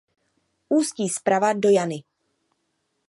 Ústí zprava do Jany.